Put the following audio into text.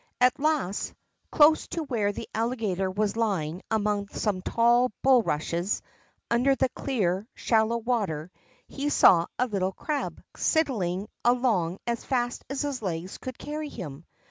At last, close to where the Alligator was lying among some tall bulrushes under the clear, shallow water, he saw a little crab sidling along as fast as his legs could carry him.